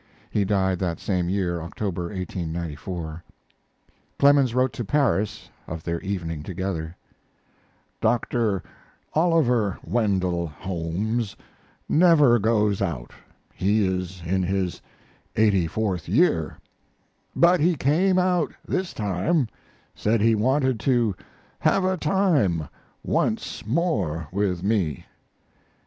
[He died that same year, October, 1894.] Clemens wrote to Paris of their evening together: Dr. Oliver Wendell Holmes never goes out (he is in his 84th year), but he came out this time said he wanted to "have a time" once more with me.